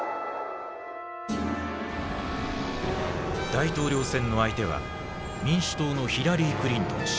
大統領選の相手は民主党のヒラリー・クリントン氏。